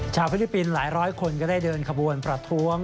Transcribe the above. ฟิลิปปินส์หลายร้อยคนก็ได้เดินขบวนประท้วง